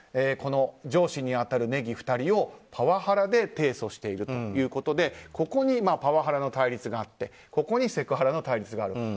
この上司に当たる禰宜２人をパワハラで提訴しているということでここにパワハラの対立があってここにセクハラの対立がある。